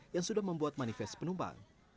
yang sudah membuat manifest penumpang